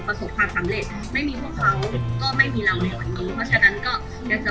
ประสบความสำเร็จไม่มีพวกเขาก็ไม่มีเราในวันนี้เพราะฉะนั้นก็อยากจะ